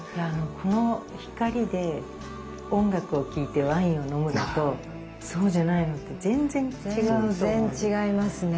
この光で音楽を聴いてワインを飲むのとそうじゃないのって全然違うと思うんです。